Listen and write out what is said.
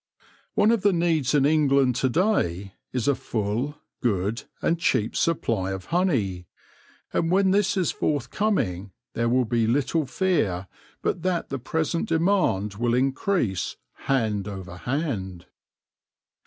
One of the needs in England to day is a full, good, and cheap supply of honey ; and when this is forth coming there will be little fear but that the present demand will increase hand over hand.